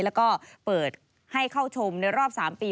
แล้วก็เปิดให้เข้าชมในรอบ๓ปี